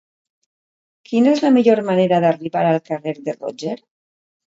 Quina és la millor manera d'arribar al carrer de Roger?